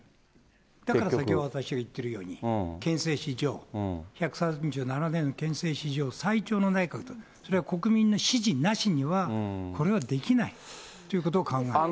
だから先ほど私が言ってるように、憲政史上、１３７年の憲政史上最長の内閣だった、それは国民の支持なしにはこれはできないということを考える。